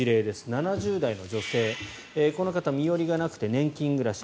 ７０代女性この方身寄りがなくて年金暮らし。